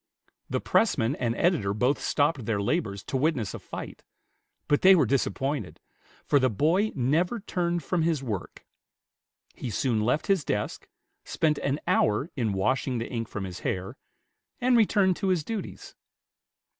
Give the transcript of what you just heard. The pressman and editor both stopped their labors to witness a fight; but they were disappointed, for the boy never turned from his work. He soon left his desk, spent an hour in washing the ink from his hair, and returned to his duties.